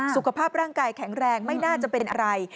สุขภาพร่างกายแข็งแรงไม่น่าจะเป็นอะไร